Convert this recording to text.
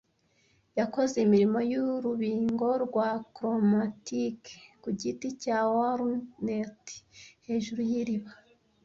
yakoze imirimo y'urubingo rwa chromatic ku giti cya walnut hejuru y'iriba,